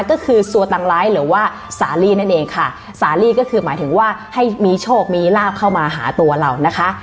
ก็คือหรือว่านั่นเองค่ะก็คือหมายถึงว่าให้มีโชคมีลาบเข้ามาหาตัวเรานะคะ